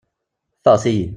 Ffeɣt-iyi.